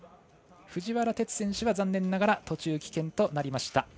藤原哲選手は残念ながら途中棄権となりました。